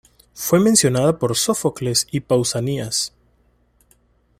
Fue mencionada por Sófocles y Pausanias.